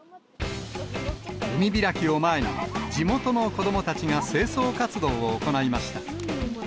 海開きを前に、地元の子どもたちが清掃活動を行いました。